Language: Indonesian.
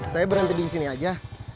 saya berhenti disini aja